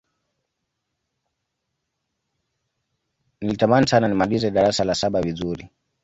nilitamani sana nimalize darasa la saba vizuri